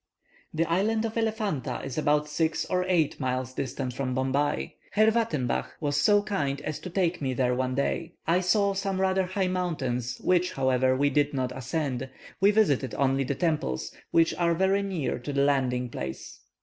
The Island of Elephanta is about six or eight miles distant from Bombay. Herr Wattenbach was so kind as to take me there one day. I saw some rather high mountains, which, however, we did not ascend; we visited only the temples, which are very near to the landing place.